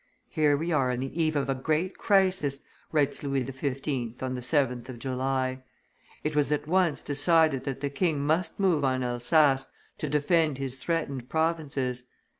"Here we are on the eve of a great crisis," writes Louis XV. on the 7th of July. It was at once decided that the king must move on Elsass to defend his threatened provinces.